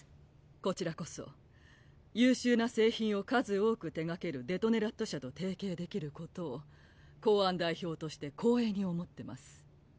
こちらこそ優秀な製品を数多く手がけるデトネラット社と提携できることを公安代表として光栄に思ってます。